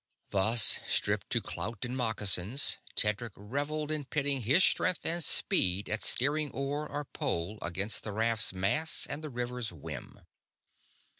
Thus, stripped to clout and moccasins, Tedric reveled in pitting his strength and speed at steering oar or pole against the raft's mass and the river's whim.